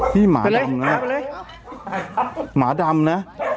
หมาดำนะหมาดำนะ